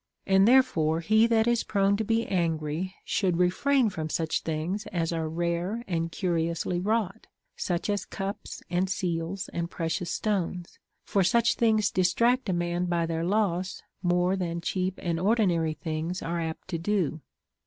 And therefore he that is prone to be angry should refrain from such things as are rare and curiously Avrought, such ay cups and seals and precious stones ; for such things dis tract a man by their loss more than cheap and ordinary things are apt to do.